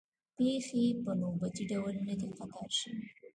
پېښې په نوبتي ډول نه دي قطار شوې.